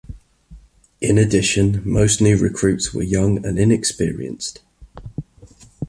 In addition, most new recruits were young and inexperienced.